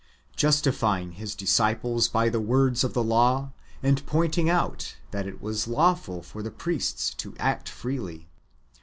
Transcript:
"^ justifying His disciples by the words of the law, and pointing out that it was lawful for the priests to act freely.